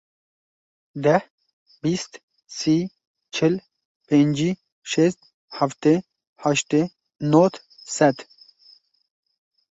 Deh, bîst, sî, çil, pêncî, şêst, heftê, heştê, nod, sed.